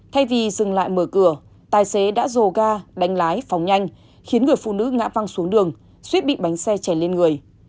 thay vì dừng lại mở cửa tài xế đã dồ ga đánh lái phòng nhanh khiến người phụ nữ ngã văng xuống đường suýt bị bánh xe chảy lên người